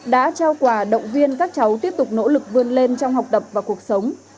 đã trao quà động viên các cháu tiếp tục nỗ lực vươn lên trong học tập và cuộc sống